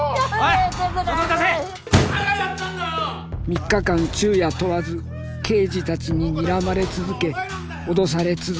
「三日間昼夜問わず刑事たちににらまれ続け脅され続けました」。